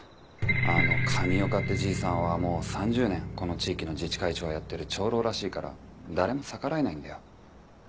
あの上岡ってじいさんはもう３０年この地域の自治会長をやってる長老らしいから誰も逆らえないんだよ。